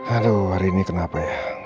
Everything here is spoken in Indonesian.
aduh hari ini kenapa ya